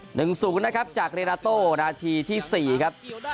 หนึ่งศูนย์นะครับจากเรนาโต้นาทีที่สี่ครับ